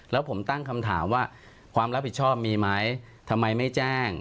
แล้วผมตั้งคำถามว่าความรับผิดชอบมีไหมทำไมไม่แจ้ง